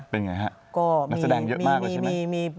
เป็นไงฮะนักแสดงเยอะมากใช่ไหม